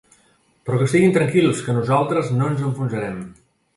Però que estiguin tranquils, que nosaltres no ens enfonsarem.